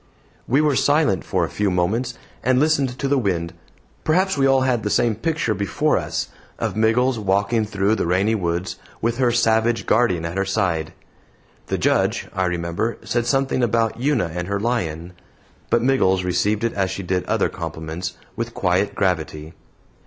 We were silent for a few moments, and listened to the wind. Perhaps we all had the same picture before us of Miggles walking through the rainy woods, with her savage guardian at her side. The Judge, I remember, said something about Una and her lion; but Miggles received it as she did other compliments, with quiet gravity.